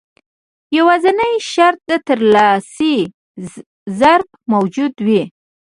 يوازنی شرط د ترلاسي ظرف موجود وي.